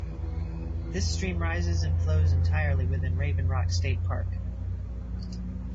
This stream rises and flows entirely within Raven Rock State Park.